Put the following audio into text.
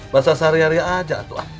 bahasa sehari hari aja tuh